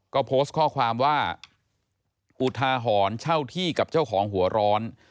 ก็โพสต์ข้อความว่าอุทาหรณ์เช่าที่กับเจ้าของหัวร้อน